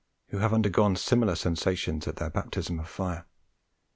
who have undergone similar sensations at their baptism of fire?